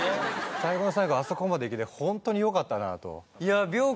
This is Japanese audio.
最後の最後あそこまで行けてほんとによかったなぁと。